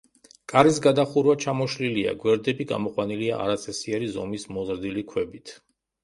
კარის გადახურვა ჩამოშლილია, გვერდები გამოყვანილია არაწესიერი ზომის მოზრდილი ქვებით.